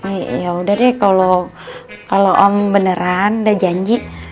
eh yaudah deh kalau om beneran udah janji